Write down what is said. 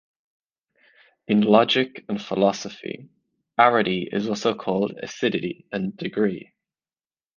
In logic and philosophy, arity is also called "adicity" and "degree".